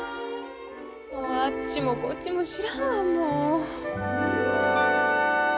あっちもこっちも知らんわもう！